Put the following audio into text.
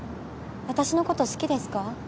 私のこと好きですか？